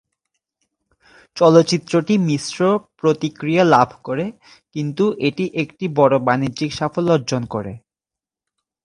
চলচ্চিত্রটি মিশ্র প্রতিক্রিয়া লাভ করে, কিন্তু এটি একটি বড় বাণিজ্যিক সাফল্য অর্জন করে।